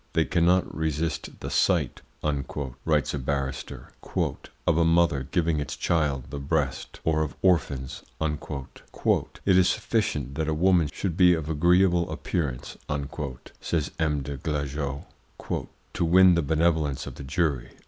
"They cannot resist the sight," writes a barrister, "of a mother giving its child the breast, or of orphans." "It is sufficient that a woman should be of agreeable appearance," says M. des Glajeux, "to win the benevolence of the jury."